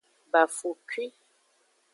Bafokwi.